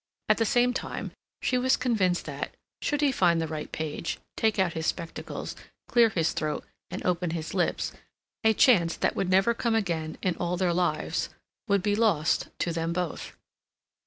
At the same time she was convinced that, should he find the right page, take out his spectacles, clear his throat, and open his lips, a chance that would never come again in all their lives would be lost to them both.